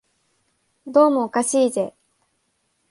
どうもおかしいぜ